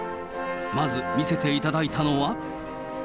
まず見せていただいたのは。